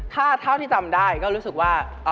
เท่าที่จำได้ก็รู้สึกว่า